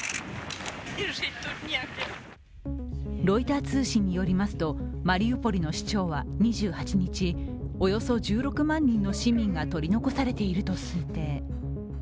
ロイター通信によりますと、マリウポリの市長は２８日、およそ１６万人の市民が取り残されていると推定。